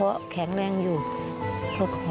ป้าก็ทำของคุณป้าได้ยังไงสู้ชีวิตขนาดไหนติดตามกัน